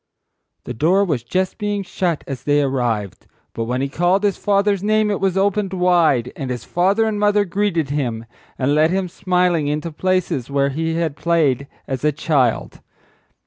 The door was just being shut as they arrived, but when he called his father's name it was opened wide—and his father and mother greeted him—and led him smiling into places where he had played as a child.